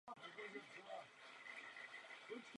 Jeho syny jsou bývalí hokejisté Petr Nedvěd a Jaroslav Nedvěd.